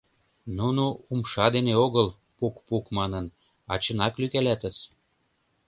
Нуно умша дене огыл, пук-пук манын, а чынак лӱйкалатыс.